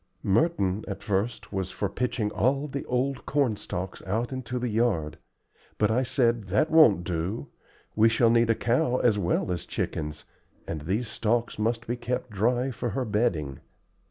Merton at first was for pitching all the old corn stalks out into the yard, but I said: "That won't do. We shall need a cow as well as chickens, and these stalks must be kept dry for her bedding.